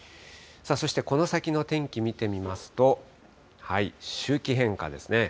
そしてこの先の天気、見てみますと、周期変化ですね。